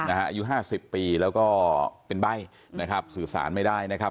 อายุ๕๐ปีแล้วก็เป็นใบ้นะครับสื่อสารไม่ได้นะครับ